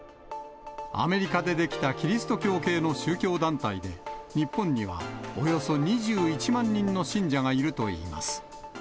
アメリカで出来たキリスト教系の宗教団体で、日本にはおよそ２１万人の信者がいるといいます。